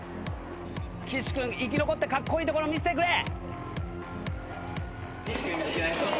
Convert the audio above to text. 岸君生き残ってカッコイイところ見せてくれ！